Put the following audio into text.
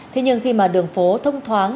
thế nhưng khi mà đường phố thông thoáng